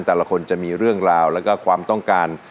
แต่ละคนจะมีเรื่องราวแล้วก็ความต้องการ